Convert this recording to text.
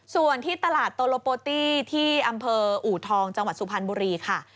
ส่วนที่ตลาดโตโลโปตี้ที่อำเภออูทองจังหวัดสุพรรณบุรีค่ะ